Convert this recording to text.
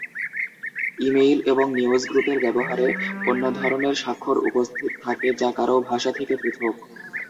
Email এবং news গ্রুপের ব্যবহারে, অন্য ধরনের স্বাক্ষর উপস্থিত থাকে যা কারও ভাষা থেকে পৃথক।